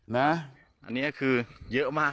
นะอันนี้คือเยอะมาก